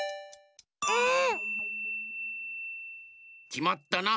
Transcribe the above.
きまったな。